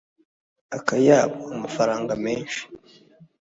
akayabo: amafaranga menshi